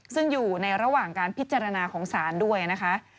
ซึ่งอยู่ในระหว่างการพิจารณาของศาลด้วยนะคะ